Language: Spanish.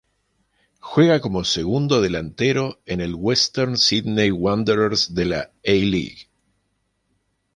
Juega como segundo delantero en el Western Sydney Wanderers de la A-League.